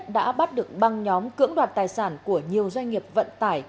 công an thành phố thủ đức đã bắt được băng nhóm cưỡng đoạt tài sản của nhiều doanh nghiệp vận tải